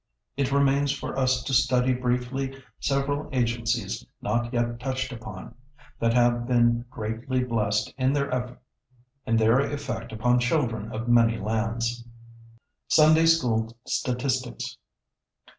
It remains for us to study briefly several agencies not yet touched upon, that have been greatly blessed in their effect upon children of many lands. [Sidenote: Sunday School statistics.